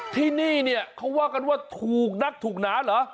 ที่นี่เนี่ยเขาว่ากันว่าถูกนักถูกหนาเหรอ